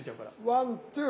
ワンツー！